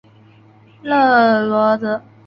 勒罗泽。